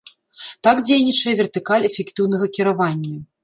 Так дзейнічае вертыкаль эфектыўнага кіравання.